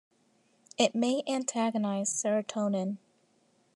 It may antagonize serotonin.